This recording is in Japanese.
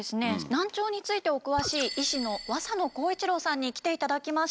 難聴についてお詳しい医師の和佐野浩一郎さんに来ていただきました。